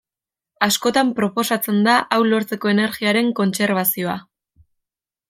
Askotan proposatzen da hau lortzeko energiaren kontserbazioa.